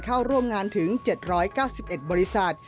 เข้าร่วมงานถึง๗๙๑บริษัท